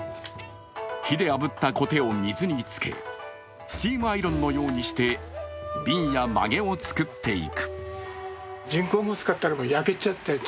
火であぶったコテを水につけスチームアイロンのようにしてびんやまげを作っていく。